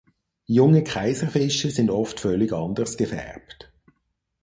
Junge Kaiserfische sind oft völlig anders gefärbt.